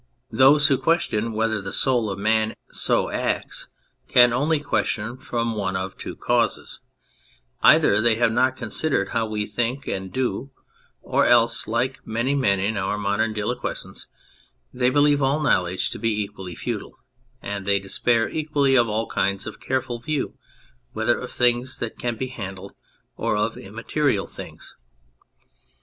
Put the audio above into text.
Those who question whether the soul of man so acts, can only question from one of two causes : either they have not considered how we think and do, or else, like many men in our modern diliquescence, they believe all knowledge to be equally futile, and they despair equally of all kinds of careful view, whether of things that can be handled or of immaterial things.